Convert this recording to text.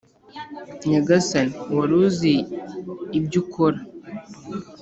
nyagasani, wari uzi ibyo ukora,